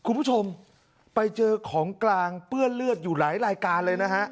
คุณผู้ชมไปเจอของกลางเปื้อนเลือดอยู่หลายรายการเลยนะฮะ